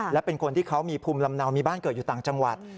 และเป็นคนที่เขามีภูมิลำเนามีบ้านเกิดอยู่ต่างจังหวัด